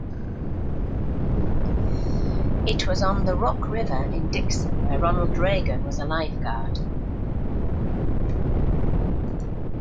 It was on the Rock River in Dixon where Ronald Reagan was a lifeguard.